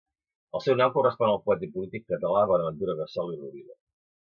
El seu nom correspon al poeta i polític català Bonaventura Gassol i Rovira.